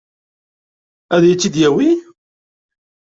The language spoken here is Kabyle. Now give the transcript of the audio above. Ad iyi-tt-id-yawi?